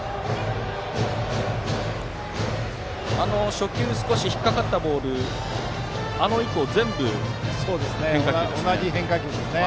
初球、少し引っかかったボールから同じ変化球ですね。